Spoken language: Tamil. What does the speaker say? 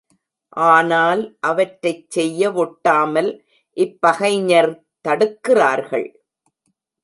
ஆனால் அவற்றைச் செய்யவொட்டாமல் இப்பகைஞர் தடுக்கிறார்கள்.